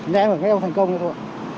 nhà em ở bên em thành công thôi